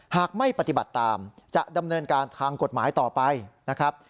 หากไม่ปฏิบัติตามจะดำเนินการทางกฎหมายต่อไปนะครับ